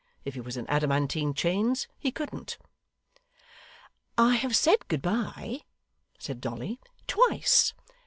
If he was in adamantine chains, he couldn't. 'I have said good bye,' said Dolly, 'twice.